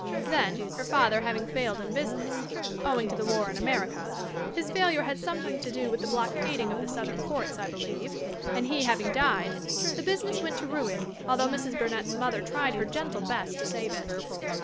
Then, her father having failed in business, owing to the war in America his failure had something to do with the blockading of the Southern ports, I believe and he having died, the business went to ruin, although Mrs. Burnett's mother tried her gentle best to save it.